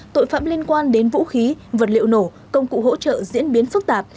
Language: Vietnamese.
tội phạm liên quan đến vũ khí vật liệu nổ công cụ hỗ trợ diễn biến phức tạp